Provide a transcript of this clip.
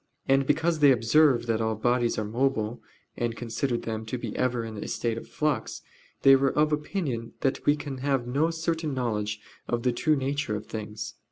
And because they observed that all bodies are mobile, and considered them to be ever in a state of flux, they were of opinion that we can have no certain knowledge of the true nature of things.